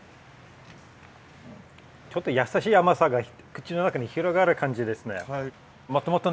ちょっと優しい甘さが口の中に広がる感じですね。